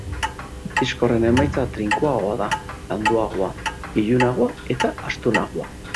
Disko horren emaitza trinkoagoa da, landuagoa, ilunagoa eta astunagoa.